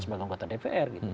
sebagai anggota dpr